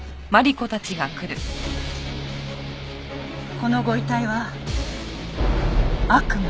このご遺体は悪魔？